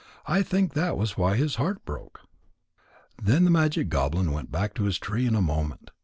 I think that was why his heart broke." Then the magic goblin went back to his tree in a moment.